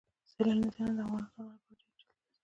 سیلاني ځایونه د افغان ځوانانو لپاره ډېره دلچسپي لري.